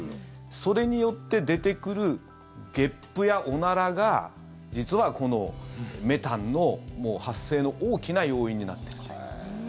それによって出てくるげっぷやおならが実は、このメタンの発生の大きな要因になっていると。